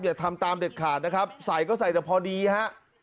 อย่าทำตามเด็ดขาดนะครับใส่ก็ใส่แต่พอดีฮะ